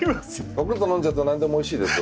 ゴクンと飲んじゃうと何でもおいしいですよ。